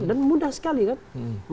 dan mudah sekali kan